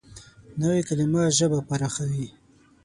نوې کلیمه ژبه پراخوي